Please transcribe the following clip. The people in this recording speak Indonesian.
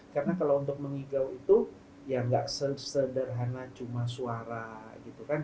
karena kalau untuk mengigau itu ya nggak sederhana cuma suara gitu kan